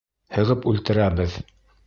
Һығып үлтерәбеҙ.